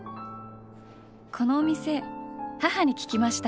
このお店母に聞きました。